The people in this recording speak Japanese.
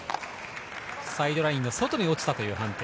サイドラインの外に落ちたという判定。